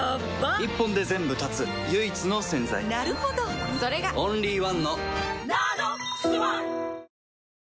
一本で全部断つ唯一の洗剤なるほどそれがオンリーワンの「ＮＡＮＯＸｏｎｅ」